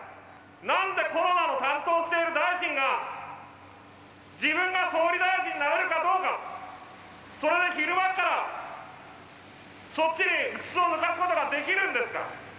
なんでコロナを担当している大臣が、自分が総理大臣になれるかどうか、それで昼間からそっちにうつつを抜かすことができるんですか。